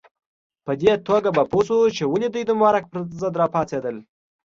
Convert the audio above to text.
په دې توګه به پوه شو چې ولې دوی د مبارک پر ضد راپاڅېدل.